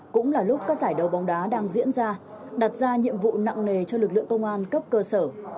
cũng là lúc các giải đấu bóng đá đang diễn ra đặt ra nhiệm vụ nặng nề cho lực lượng công an cấp cơ sở